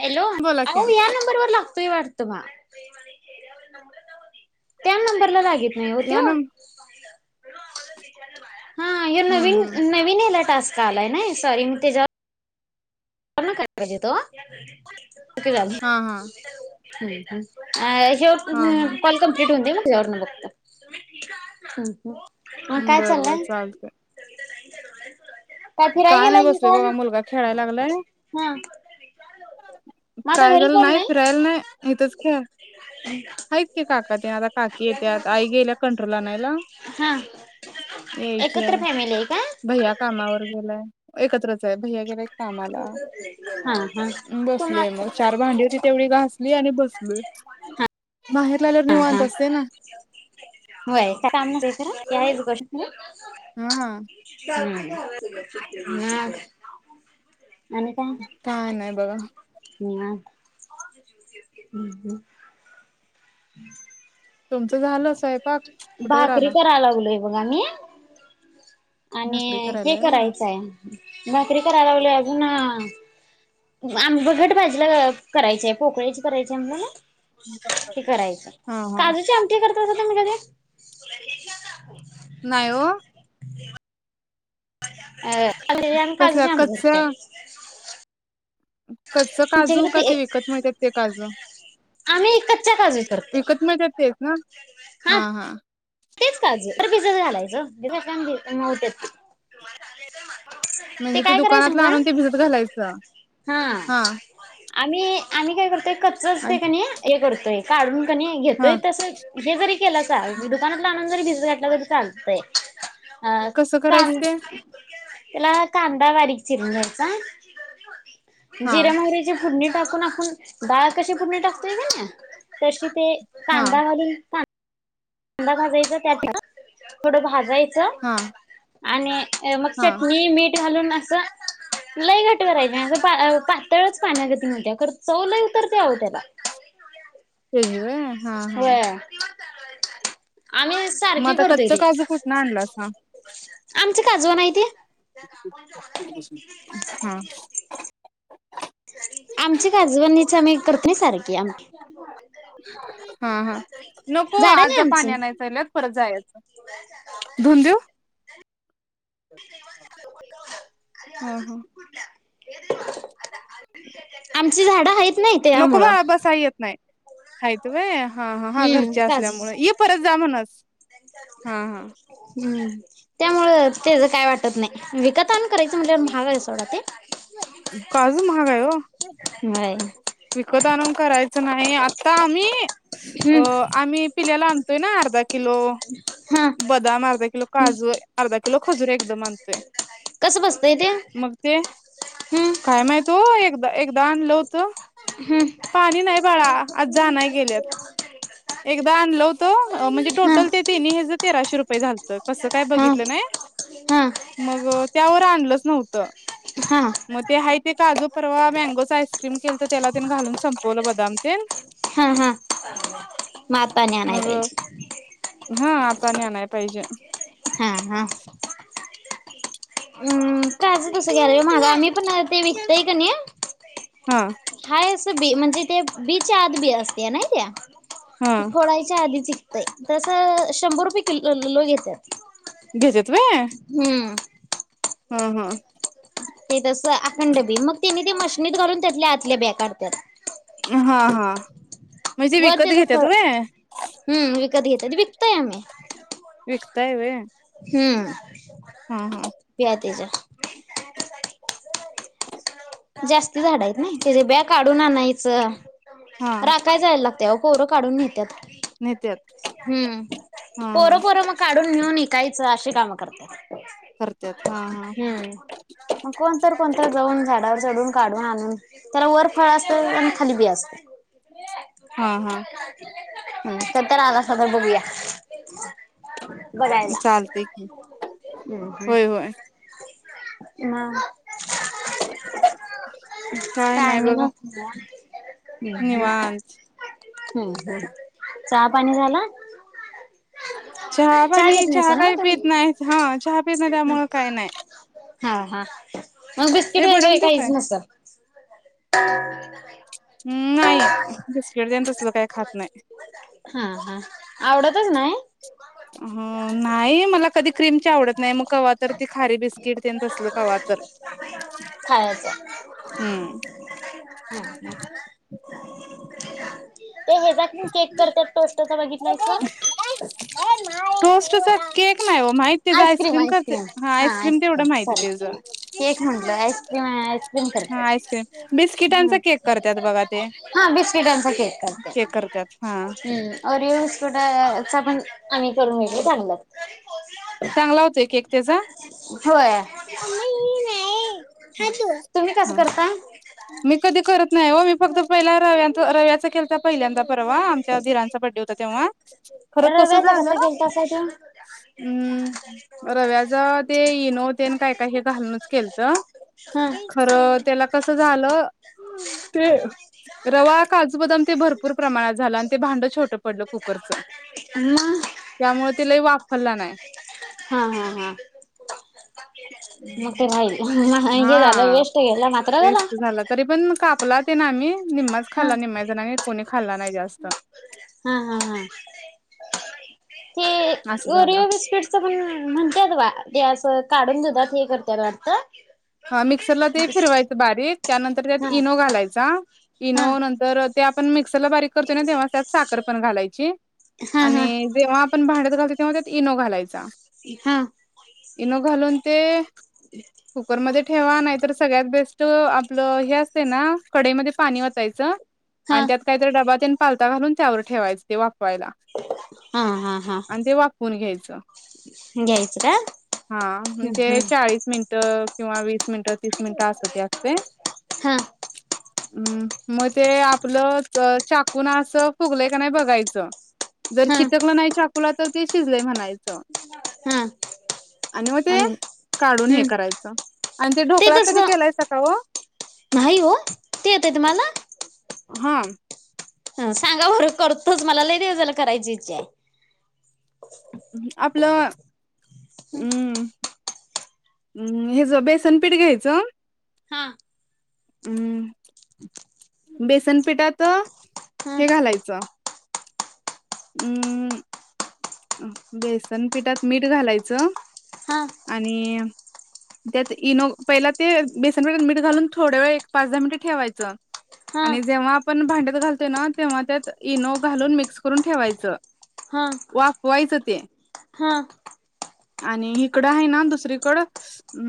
Hello बोला की अहो या नंबर वर लागतोय वाट त्या नंबरला लागेल. हाय वो ह्या त्यो नम हा ह्यो नवीन हम्म हम्म नवीन ह्याला टास्क आलय नाही सॉरी मग तेज्या [unintelligible] झाली हा हा. ह्यो हा हा कॉल कम्प्लीट होऊन दे मग त्याच्यावरन बघू ह ह हम्म, काय बर बर चाललंय. चालतंय फिराय काय नाही गेलाय की बसलोय काय बघा मुलगा खेळाय लागला हा. आता काय घरी झालं कोण नाही फिरायला नाही इथच खे आहेत की काका तेन आता काकी येत्यात आई गेल्या कंट्रोल आणायला. हा यायचीय एकत्र फॅमिली आहे का भैया कामावर गेलाय एकत्र भैय्या गेलाय कामाला हा हा तुम्हा बसलोय मग चार भांडी होती तेवढी घासली आणि आणि बसलोय. बाहेर लाल्यावर हा हा निवांत असते ना होय काय काम नसतय खरं, ती आहेच गोष्ट खरं. हां. हं [unintelligible] काय नाही बघा. निवांत हम्म हम्म हम्म. तुमचं झालं स्वयंपाक कुठवर आला भाकरी कराय लागलोय. [unintelligible] भाकरी आणि हे करायला व्हय करायचंय भाकरी कराय लागलोय, अजून अं आम घट्ट भाजीला करायचिय, पोकळ्याची करायचीय म्हणल ना. हे करायचंय हा हा काजूची आमटी करता का ओ? तुम्ही कधी. नाय ओ. अं कसल्या काजूची‌ आमटी कच्च्या करतंय. कच्च काजू का, ते विकत मिळतात ते काजू. आम्ही कच्च्या काजू करतोय विकत मिळतात तेच ना. हा हा. तेच काजू खरं भिजत घालायचं भिजून मऊ हुत्यात. ते म्हणजे काय करायचं दुकानातला सांगा, आणून ते भिजत घालायचं हा आम्ही आम्ही काय करतोय कच्च असतय का आणि नाही, हे करतोय काढून कनी हा घेतोय तस हे जरी केलासा म्हणजे दुकानातला आणून जरी भिजत घातलासा, तरी चालतंय. हं कसं काम करायचं ते त्याला कांदा बारीक चिरून घ्यायचा, हा जिर, मोहरीची फुडणी टाकून आपूण डाळ कशी फुडणी टाकतोय की नय, तशी ते हा कांदा घालून कांदा भाजायचा त्यात थोडं भाजाय हा. आणि मग हा चटणी, मीठ घालून असं लय घट करायचं नाय, पातळच पाण्यागत होत्यात खर चव लय उतरते अओ त्याला. [inaudible] व्हय हा हा व्हय. आम्ही मग सारखी आता करतोय, कच्च ते काजू कुठनं आणलास हा आमचे काजव नाय ते. हा. आमची काजवणीच आम्ही करतो नाही सारखी [inaudible] हा हा नको झाड नाही आज पाणी आमची. आणायला चालल्यात. परत जायाच. धून देऊ. हा हा. आमची झाडं आहेत ना इथं, त्यामुळं. हायेत व्हय, हा हा हा हम्म घरचे काजूची. असल्यामुळे ये परत जा म्हणस. हा हा. हम्म त्यामुळ त्याच काय वाटत नाही, विकत आणून करायचं म्हणल्यावर महाग हाय सोडा ते. काजू महाग हाय ओ. नाही. विकत आणून करायचं नाही, आता आम्ही अ हम्म आम्ही पिल्याला आण ना अर्धा किलो हा बदाम, अर्धा किलो हम्म काजू, अर्धा कि लो खजूर एकदम आणतोय. कसं बसतंय ते मग ते हम्म काय माहित ओ, एकदा एकदा आणलं होत. हम्म पाणी नाही बाळा, आजा आणायला गेल्यात. एकदा आणल होत, म्हणजे हा टोटल ते तिनीं ह्याच तेराशे रुपये झालतं, कसं काय हा बघितलं नाही. हा मग त्यावर आणलच नव्हतं. हा मग ते हाय ते काजू परवा, मँगोच आईसक्रीम केल तर त्याला तेन घालून संपवलं बदाम तेन हा हा आता आणि आणायला मग पाहिजे हा आता आणि आणय पाहिजे हा हा हम् ताज कस घ्याल माग आम्ही पण ते विकतय कणी हा हाय असं बी म्हणजे ते बीच्या आत बी असतय नाही त्या हा फोडायच्या आधीची ते तसं शंभर रुपये किलो लो घेत्यात घेेत्यात व्हय हम्म हम्म ते तस अखंड बी मग त्यानी ते मशनीत घालून त्यातल्या आतल्या बिया काढतात हा हा म्हणजे वर विकत त्याच घेत्यात फळ व्हय हम्म विकत घेत्यात विकतोय आम्ही विकताय व्हय हम्म हा हा बिया त्याच्या जास्त झाड आहेत नाही त्याच्या ब्या काढून आणायचं हा राखाय जायला लागतय ओ पोरं काढून नेत्यात नेत्यात हं हा हा पोरं पोरं मग काढून नेऊन इक इकायचं अशी काम करत्यात हा हा हम्म मग कोण तर कोण तर जाऊन झालं झाडावर चढून काढून आणून त्याला वर फळ असतं आणि खाली बी असतय हा हा हम्म सप्त्याला आलासा तर बघूया बघायला चालतय की हम् हम् होय होय ह काय नाही म हम्् निवांत हम् ह् चहा पाणी झाला चहा पणी घेत चहा नाहीसा ना काही तुम्ही पित नाही हा चहा पित नाही त्यामुळे काय नाही हा हा मग बिस्किट ए भडंग वगैरे देऊ काय काहीच नस ह नाही बिस्किट तेन तसलं काय खात नाही हम्म हम् आवडतच नाही ह नाही मला कधी क्रीम आवडत नाही मग क्हा तर ती खारी बिस्किट असल कवा्हा तर ह हम्म ते हे जा केक करते पोस्टचा बघित नाहीस टोस्टचा केक नाही हो माहित ऐस् क्रीम ऐस् क्र्रीम हा ऐस् कम माहिती सरी त्याचं केक म्हंल ऐस् क्रीम ऐस् क्र्रीम हा कररी आईस्क्रीम बिस्किटांचा हम् केक करतात बघा ते हा बिस्किटांचा केक करते केक करतात हा हम्म र येसको पण आम्ही करून घल चांग चांगला होतोय केक त्याचा होय तुम्ही कसं करता मी कधी करत नाही हो मी फक्त पहिला रव्याचा रव्याचा केलता पहिल्यांदा आमच्या धरांचा बडडे होता तेव्हा खर कस रव्याचा झालं कसा केलतासा त्यो? हम् रव्याचा ते इनोतेन काय काय हे घालूनच केलत हा. खरं त्याला कस झालं ते रवा काजू बदाम ते भरपूर प्रमाणात झालं आणि ते भांड छोटं पडलं कुकरचं अ त्यामुळे तिलाही वापरला नाही हा हा हा. मग ते राहि हे झालं हा वेस्ट गेलं मात्र झाला फुलात ना आम्ही निम्मच हा खाल्ला निम्म जण कोणी खाल्ला नाही जास्त ह ते असं झालं वरिओ विस्पीडच पण म्हणतात वा गॅस काढून दतात हे करत वाटता हा मिक्सरला ते फिरवायचं बारीक त्यानंतर त्यात हा इनो घालायचा इनो हा नंतर.. ते आपण मिक्सर ला बारी. क करतोय ना तेव्हा त्यात साखर पण घालायची. हा हा आणि जेव्हा आपण भांड्यात घालतो तेव्हा त्यात इनो घालायचा. [unintelligible] कुकरमध्येध्ये ठेवा नाही तर सगळ्यात बेस्ट आपलं हे असते ना कडेमध्ये पाणी वतायचं. हा आणि त्यात काहीतरी डबा त्या पालता घाून त्यावर ठेवायंचं तें. व्हायला हा हा हा आनी तें वाफवून घ्यायचं. [unintelligible] हा हम्म हम्म म्हणजे चाळीस मिनिटं किंवा वीस मिनिटं तीस मिनिटं अस ते असतय. हा हम्म मग ते आपलं चाकुून असं फुगलं का नाही बघायचं. जर हा चिटकलं नाही चाकूला तर ते शिजले म्हणायचं. हा आणि मग ते काढून हे हम्म करायचं. आणि ते ढोकळा कधी केलाय स काव? नाही हो ते येतय हा. ह सांगा बरं करतोच मला लय देवजला करायची इच्छा आहे. आपलं... हम्. हम्म ह ज बेसन पीठ घ्यायचं. हा अम् बेसनपिठत हा हे घालायचं. अम् बेसन पिठात मीठ घालायचं. हा आणि... त्यात इनो पहिला ते बेसन पिठात मीठ घालून थोड्या वेळ एक पाच दहा मिनिट ठेवायचं. हा आणि जेव्हा आपण भांड्यात घालतो ना तेव्हा त्यात इनो घालून मिक्स करून ठेवायचं हा वाफवायचं ते. हा आणि इकडं आहे ना दुसरीकडं अ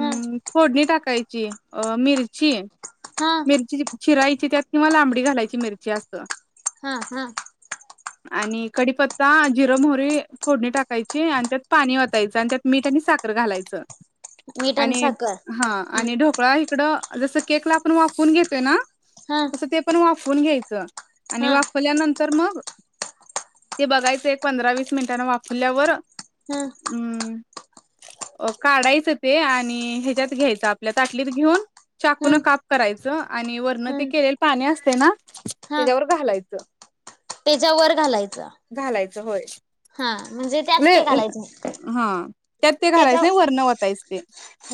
हा फोडणी टाकायची अ मिरची. हा मिरची चिरायची त्यात किंवा लांबडी घालायची मिरची अस. हम हम. आणि कडीपत्ता जिरं मोहरी फोडणी टाकायची आणि त्यात पाणी वतायचं आणि त्यात मीठ साखर घालायचं. मीठ आणि साखर ह हम्म आणि ढोकळा इकडं जस केकला आपण वाफून घेतोय ना! हा तसं ते पण वाफवून घ्यायचं आणि हा वाफलल्यानंतर मग.. ते बघायचं एक पंधरा वीस मिनिटांने वाफल्यावर हा अम्.. रिकामा ऑडिओ अ काढायचं ते आणि ह्याच्यात घ्यायचं आपल्या ताटलीत घेऊन चाकून हम्म काप करायचं. आणि वरणं ते हम्म केलेलं पाणी असतंय ना त्याच्यावर घालायचं. तेच्यावर घालायचं. च होय. हा म्हणजे त्यात ते [unintelligible] घालायचं नाही. हा त्यात ते घालायच त्याच्या नाही वरणं वतायचे ते.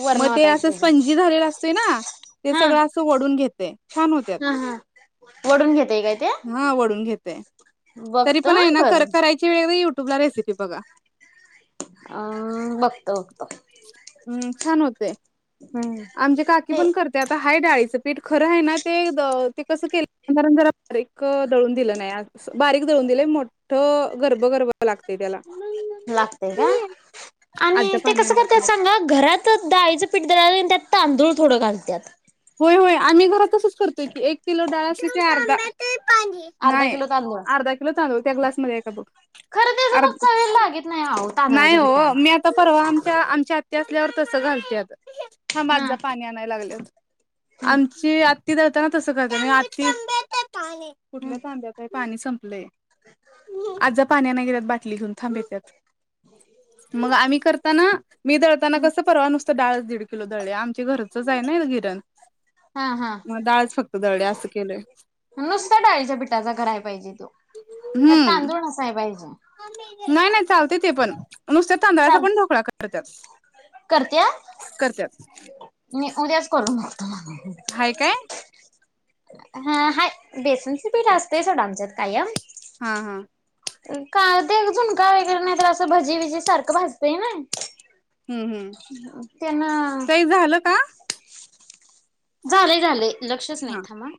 वरण मग ते असं वतायचं त्याच्या स्पंजी झालेलं असतंय ना ते हा सगळं असं ओढून घेत. हा हा वडून घेतय काय. ते हा वडून घेतेय तरी बघत पण आहे ना कर करायची वेळ यू बला रेसिपी बघा. अम बघतो. छान होते हम्म. आमचे काकी ते पण करते आता. हाये डाळीचं पीठ खरं आहे ना ते ते कसं केलं [unintelligible] जरा बारीक दळून दिलं नाही [unintelligible] बारीक दळून दिलंय मोठ गर्भगर्भ लागते त्याला. लागतय का आणि आजा ते पाणी कस आणाय करतय गेल्या सांगा घरात दाळींच पी पीठ दळाले अन् त्यात तांदूळ थोडं घालत्यात. होय होय आम्ही घरात तसच करतोय की एक किलो डाळ असली की अर्धा अर्धा नाही किलो तांदूळ अर्धा किलो तांदूळ त्या ग्लासमध्ये आहे की बघ. खरं त्याच आर मग चवीला लागत नाही आहो नाही तांदळाच्या हो पिठाला. मी आता परवा आमच्या अमच्या आत्या आपल्यावर तसं घालत्यात थांब आत हा. जा पाणी आणाय लागल्यात हम्म आमची आत्ती दळताना ना तसं करत, आत्ती हम्म कुठल्या तांब्यात आहे पाणी संप आत जा पाणी आणाया गेलेत बाटली घेऊन. थांब येत्यात मग आम्ही करताना मी दळताना हम्म कस परवा नुस फक्त डाळच दीड किलो दळली आमची घरचच आहे नी गिरण. हा हा. दळली असं केलंय. नुसत्या डाळीच्या पिठाचा कराय पाहिजे त्यो त्यात हम्म तांदूळ नसाय पाहिजे. नाही नाही चालत ते पण नुसत्या तांदळाचा पण ढोकळा करत्यात. करत्या करत्यात मी उद्याच करून बघ हाय काय? हा हाय बेसनचे पीठ असतेय सोडं आमच्यात कायम. हा हा का ते झुणका वगैरे नाही तर असं भजी बीजी सारखं भाजतंय ना. हम्म हम्म त्यांना ताई झालं का झाले झाले लक्षच हा नाही थांब ह.